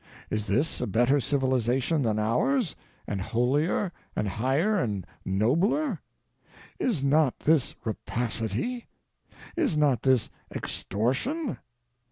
Is this a better civilization than ours, and holier and higher and nobler ? Is not this rapacity? Is not this extortion?